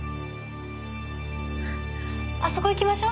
あそこ行きましょう。